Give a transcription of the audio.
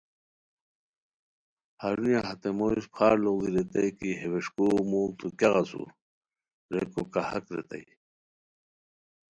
ہرونیہ ہتے موش پھار لوڑی ریتائے کی ہے وݰکوؤ موڑتو کیاغ اسور؟ ریکو کاہک ریتائے